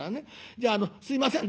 じゃあすいません